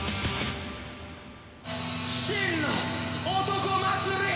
真の男祭り。